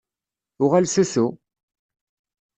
Uɣal s usu!